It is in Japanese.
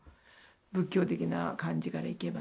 仏教的な感じからいけばね。